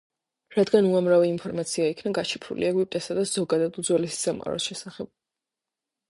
რადგან უამრავი ინფორმაცია იქნა გაშიფრული ეგვიპტესა და ზოგადად უძველესი სამყაროს შესახებ.